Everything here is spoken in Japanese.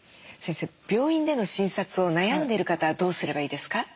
先生病院での診察を悩んでる方はどうすればいいですか？